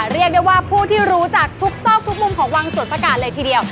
เรียกได้ว่าผู้ที่รู้จักทุกซอกทุกมุมของวังสวนประกาศเลยทีเดียว